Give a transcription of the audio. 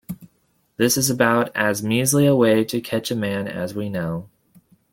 This is about as measly a way to catch a man as we know.